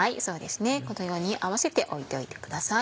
このように合わせて置いておいてください。